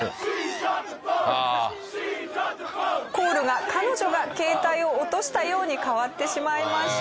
コールが「彼女が携帯を落としたよ」に変わってしまいました。